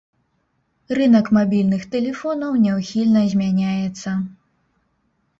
Рынак мабільных тэлефонаў няўхільна змяняецца.